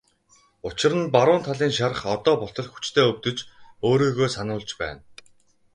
Учир нь баруун талын шарх одоо болтол хүчтэй өвдөж өөрийгөө сануулж байна.